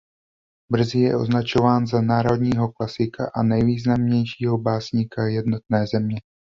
Brzy je označován za národního klasika a nejvýznamnějšího básníka jednotné země.